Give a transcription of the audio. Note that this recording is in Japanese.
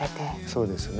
そうですね。